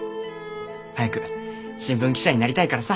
早く新聞記者になりたいからさ。